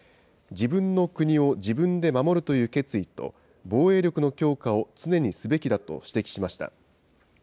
自分の国を自分で守るという決意と、防衛力の強化を常にすべきだと指摘しました。